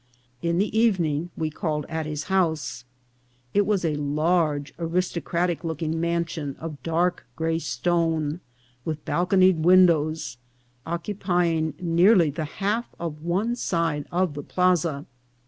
In the evening we called at his house. It was a large, aristocratic looking mansion of dark gray stone, with balconied windows, occupying nearly the half of one side of the plaza.